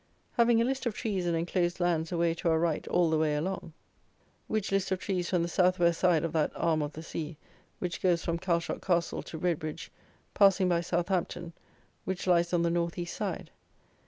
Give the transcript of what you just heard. Having a list of trees and enclosed lands away to our right all the way along, which list of trees from the south west side of that arm of the sea which goes from Chalshot castle to Redbridge, passing by Southampton, which lies on the north east side.